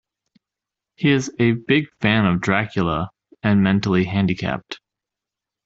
He is a big fan of Dracula, and mentally handicapped.